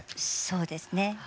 そうですね。